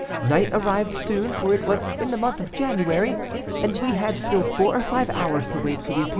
Night arrived soon, for it was in the month of January, and we had still four or five hours to wait for the appointed time.